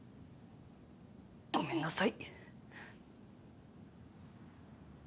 ごめんなさい。